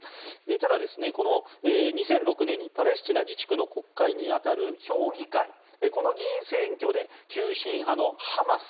ただ、２００６年にパレスチナ自治区の国会に当たる評議会の議員選挙で急進派のハマス。